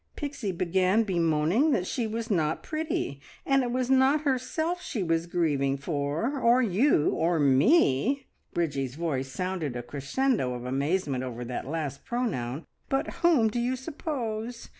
Pixie began bemoaning that she was not pretty, and it was not herself she was grieving for, or you, or Me!" Bridgie's voice sounded a crescendo of amazement over that last pronoun "but whom do you suppose?